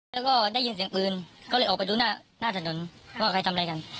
แล้วก็ได้ยินเสียงปืนก็เลยออกไปดูหน้าถนนว่าใครทำอะไรกัน